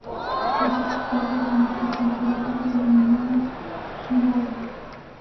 Los episodios en esta temporada se denominan "Shinobi"